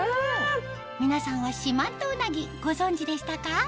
皆さんは四万十うなぎご存じでしたか？